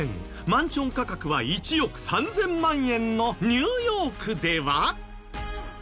マンション価格は１億３０００万円のニューヨークでは。